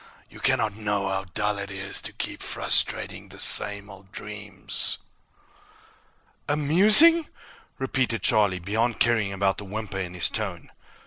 You cannot know how dull it is to keep frustrating the same old dreams!" "Amusing?" repeated Charlie, beyond caring about the whimper in his tone.